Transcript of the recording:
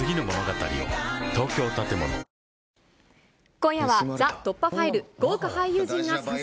今夜は、ＴＨＥ突破ファイル、豪華俳優陣が参戦。